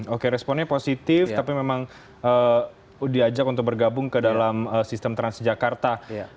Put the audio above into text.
oke responnya positif tapi memang diajak untuk bergabung ke dalam sistem transjakarta